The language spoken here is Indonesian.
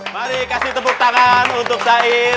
mari kasih tepuk tangan untuk saya